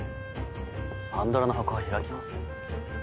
パンドラの箱が開きますよ。